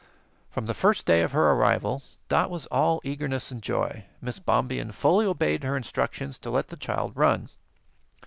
From the first day of her arrival, Dot was all eagerness and joy. Miss Bombien fully obeyed her instructions to let the child run.